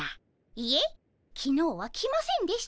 いえきのうは来ませんでした。